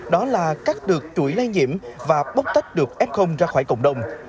đó là cắt được chuỗi lây nhiễm và bốc tách được f ra khỏi cộng đồng